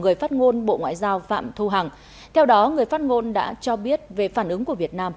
người phát ngôn bộ ngoại giao phạm thu hằng theo đó người phát ngôn đã cho biết về phản ứng của việt nam